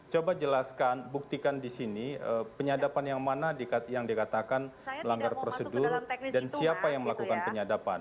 coba jelaskan buktikan di sini penyadapan yang mana yang dikatakan melanggar prosedur dan siapa yang melakukan penyadapan